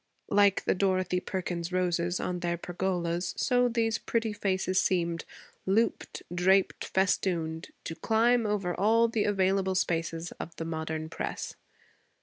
Like the Dorothy Perkins roses on their pergolas, so these pretty faces seemed looped, draped, festooned to climb over all the available spaces of the modern press.